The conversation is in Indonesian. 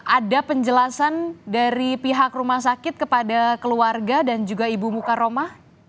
ada penjelasan dari pihak rumah sakit kepada keluarga dan juga ibu mukaroma